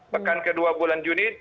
mekan kedua bulan juni